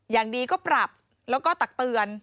อย่างดีก็ปรับแล้วก็ตักเตือน